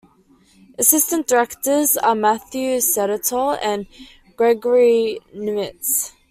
Assistant directors are Matthew Sedatole and Gregory Nimtz.